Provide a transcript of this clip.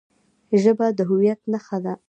ژبه د هویت نښه ده.